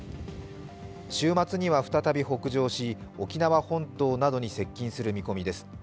週末には再び北上し沖縄本島などに接近する見込みてす。